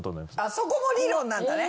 そこも理論なんだね。